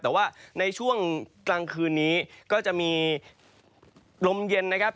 แต่ว่าในช่วงกลางคืนนี้ก็จะมีลมเย็นนะครับ